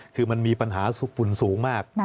คือมันมีปัญหาฝุ่นสูงมาก